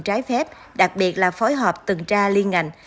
trái phép đặc biệt là phối hợp tuần tra liên ngành